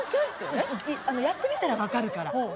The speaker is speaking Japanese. やってみたらわかるから。